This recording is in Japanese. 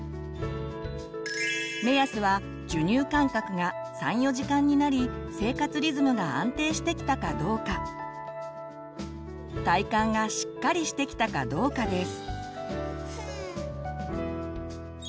目安は授乳間隔が３４時間になり生活リズムが安定してきたかどうか体幹がしっかりしてきたかどうかです。